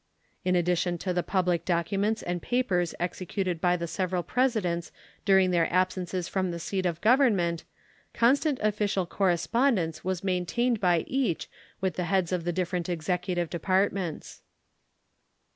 In addition to the public documents and papers executed by the several Presidents during their absences from the seat of Government, constant official correspondence was maintained by each with the heads of the different Executive Departments.